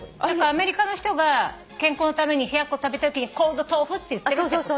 アメリカの人が健康のために冷ややっこ食べたいときにｃｏｌｄｔｏｆｕって言ってるってこと？